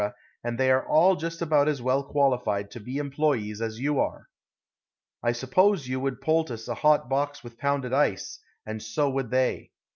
and they are all just about as well qualified to be employes as you are. I suppose you would poultice a hot box with pounded ice, and so would they.